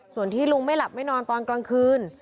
ส่วนที่ลุงไม่หลับไม่นอนตอนกลางคืน